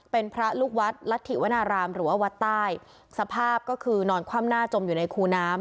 เป็นพระลูกวัดรัฐธิวนารามหรือว่าวัดใต้สภาพก็คือนอนคว่ำหน้าจมอยู่ในคูน้ำ